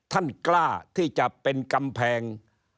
ท่านกล้าที่จะเป็นกำแพง